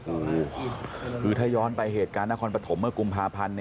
อูคือถ้าย้อนไปเหตุการณองความประถมเมื่อกุมภาพันธ์